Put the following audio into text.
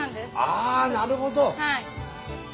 あなるほど。